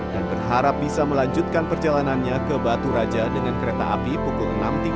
dan berharap bisa melanjutkan perjalanannya ke batu raja dengan kereta api pukul empat tiga puluh pagi